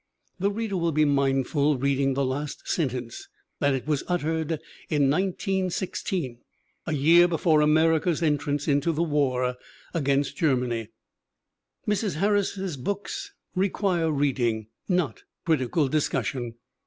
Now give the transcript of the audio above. The reader will be mindful, reading the last sen tence, that it was uttered in 1916, a year before Amer ica's entrance into the war against Germany. Mrs. Harris's books require reading, not critical discussion.